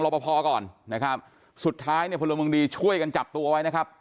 แทงลบพอพอก่อนนะครับสุดท้ายเนี่ยผู้โรงบังดีช่วยกันจับตัวไว้นะครับ